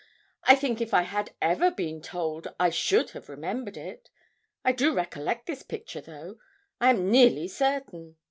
I think if I had ever been told I should have remembered it. I do recollect this picture, though, I am nearly certain.